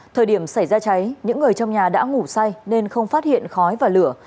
thời điểm xảy ra cháy những người trong nhà đã ngủ say nên không phát hiện khói và lửa